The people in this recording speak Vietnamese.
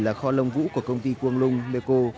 là kho lông vũ của công ty konglung meiko